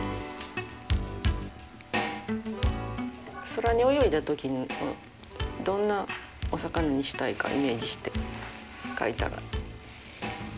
空に泳いだ時にどんなお魚にしたいかイメージして書いたら。